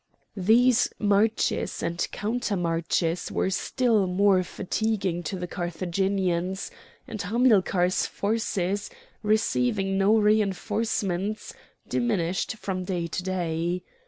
These marches and counter marches were still more fatiguing to the Carthaginians, and Hamilcar's forces, receiving no reinforcements, diminished from day to day.